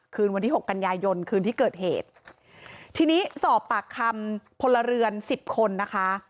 คืนวันที่หกกันยายนคืนที่เกิดเหตุทีนี้สอบปากคำพลเรือนสิบคนนะคะ